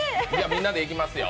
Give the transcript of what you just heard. みんなでいきますよ。